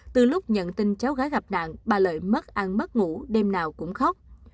từ lúc nhận tin cháu gái gặp nạn bà lợi mất ăn mất ngủ đêm nào cũng khóc